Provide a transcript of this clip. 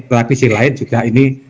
tapi sisi lain juga ini